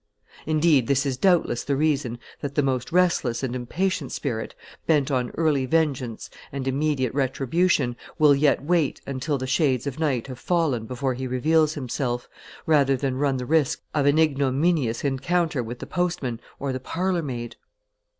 Indeed, this is doubtless the reason that the most restless and impatient spirit, bent on early vengeance and immediate retribution, will yet wait until the shades of night have fallen before he reveals himself, rather than run the risk of an ignominious encounter with the postman or the parlour maid.